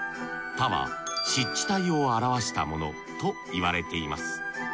「田」は湿地帯を表したものと言われています。